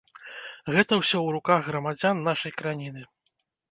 Гэта ўсё ў руках грамадзян нашай краіны.